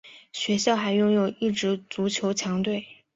学校还拥有一支足球强队。